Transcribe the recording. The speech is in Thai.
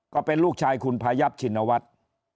ก็เป็นลูกชายคุณพายับชินวัฒน์